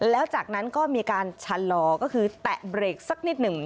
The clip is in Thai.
แล้วจากนั้นก็มีการชะลอก็คือแตะเบรกสักนิดหนึ่ง